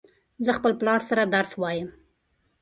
زه د خپل پلار سره درس وایم